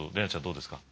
どうですか？